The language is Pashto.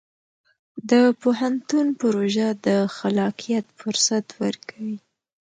د پوهنتون پروژه د خلاقیت فرصت ورکوي.